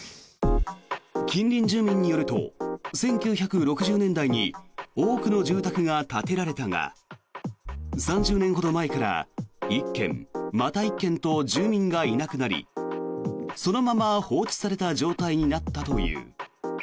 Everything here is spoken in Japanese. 近隣住民によると１９６０年代に多くの住宅が建てられたが３０年ほど前から１軒、また１軒と住民がいなくなりそのまま放置された状態になったという。